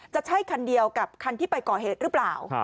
จะใช่คันเดียวกับคันที่ไปก่อเหตุหรือเปล่า